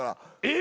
え！？